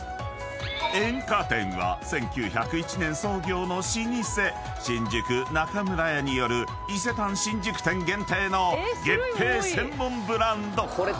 ［「円果天」は１９０１年創業の老舗「新宿中村屋」による伊勢丹新宿店限定の月餅専門ブランド］